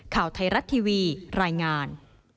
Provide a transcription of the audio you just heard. ข่าวไทยรัฐทีวีรายงาน